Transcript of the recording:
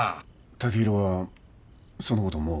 剛洋はそのこともう？